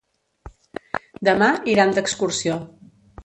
Demà iran d'excursió.